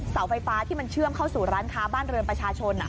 เสาไฟฟ้าที่มันเชื่อมเข้าสู่ร้านค้าบ้านเรือนประชาชน